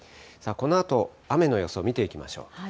このあと、雨の予想を見ていきましょう。